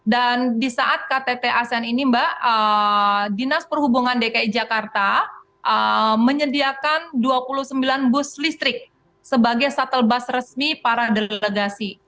dan disaat ktt asean ini mbak dinas perhubungan dki jakarta menyediakan dua puluh sembilan bus listrik sebagai shuttle bus resmi para delegasi